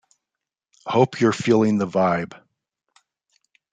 Hope you're feeling the vibe!